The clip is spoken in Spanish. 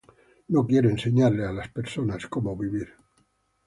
No quiero enseñarle a las personas cómo vivir.